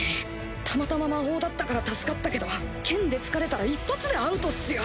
たまたま魔法だったから助かったけど剣で突かれたら一発でアウトっすよ